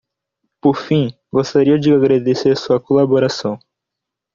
Por fim, gostaria de agradecer sua colaboração.